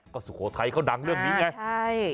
ก็สุโขทัยเขาดังเรื่องนี้ไงใช่